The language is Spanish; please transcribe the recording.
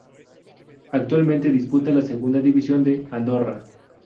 Actualmente disputa la Segunda División de Andorra.